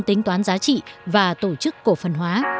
tính toán giá trị và tổ chức cổ phần hóa